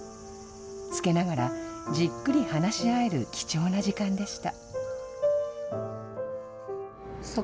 漬けながら、じっくり話し合える貴重な時間でした。